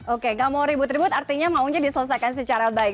oke gak mau ribut ribut artinya maunya diselesaikan secara baik